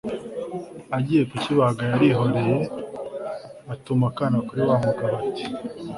agiye kukibaga, yarihoreye, atuma akana kuri wa mugabo ati